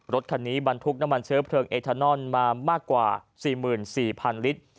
รถคันนี้บรรทุกน้ำมันเชื้อเพลิงเอทานอนมามากกว่า๔๔๐๐๐ลิตร